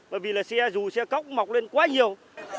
bởi vì là xe dù xe cóc mọc lên quá nhiều